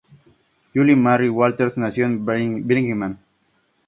Julie Mary Walters nació en Birmingham.